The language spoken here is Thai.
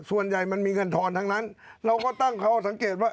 ส่วนใหญ่มันมีเงินทอนทั้งนั้นเราก็ตั้งข้อสังเกตว่า